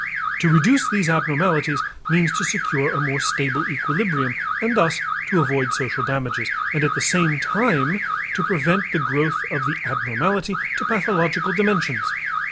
To reduce these abnormalities means to secure a more stable equilibrium and thus to avoid social damages, and at the same time to prevent the growth of the abnormality to pathological dimensions.